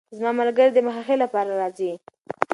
زما ملګرې د مخې ښې لپاره راځي.